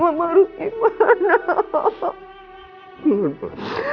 mama harus gimana